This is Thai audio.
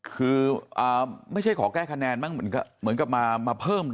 คือไม่ใช่ขอแก้คะแนนมั้งเหมือนกับมาเพิ่ม